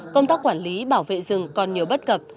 công tác quản lý bảo vệ rừng còn nhiều bất cập